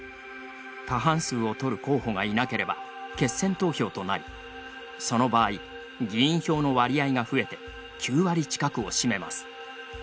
過半数を取る候補がいなければ決選投票となりその場合、議員票の割合が増えて９割近くを占めます。